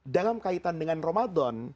dalam kaitan dengan ramadan